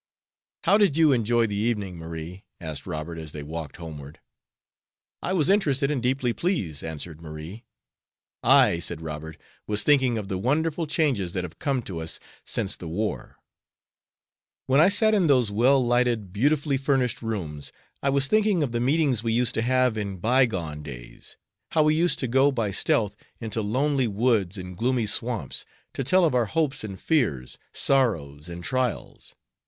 "How did you enjoy the evening, Marie?" asked Robert, as they walked homeward. "I was interested and deeply pleased," answered Marie. "I," said Robert, "was thinking of the wonderful changes that have come to us since the war. When I sat in those well lighted, beautifully furnished rooms, I was thinking of the meetings we used to have in by gone days. How we used to go by stealth into lonely woods and gloomy swamps, to tell of our hopes and fears, sorrows and trials.